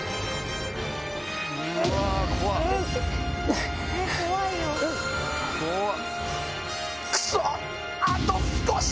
うわっ！